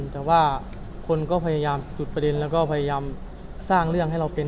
แต่ว่าคนก็พยายามจุดประเด็นแล้วก็พยายามสร้างเรื่องให้เราเป็น